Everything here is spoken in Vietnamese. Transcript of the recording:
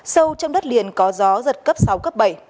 sâu trong đất liền có gió giật cấp sáu cấp bảy